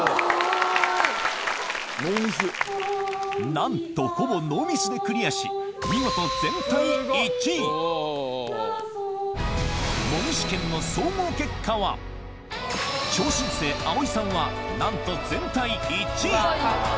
何とほぼノーミスでクリアし見事超新星・あおいさんはなんと全体１位！